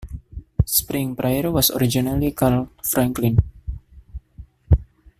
Spring Prairie was originally called Franklin.